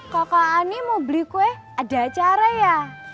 kakak ani mau beli kue ada cara ya